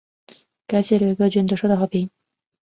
该系列各卷都受到了好评。